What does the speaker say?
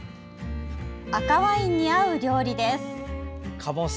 赤ワインに合う料理です。